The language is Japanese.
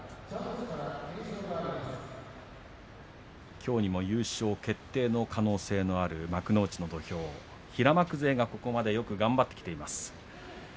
きょうにも優勝決定の可能性がある幕内の土俵平幕勢がここまで頑張ってきています。